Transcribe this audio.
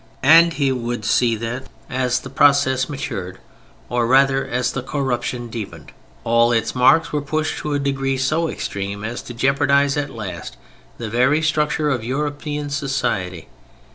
And he would see that as the process matured, or rather as the corruption deepened, all its marks were pushed to a degree so extreme as to jeopardize at last the very structure of European society.